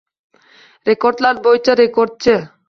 Rekordlar bo‘yicha rekordchi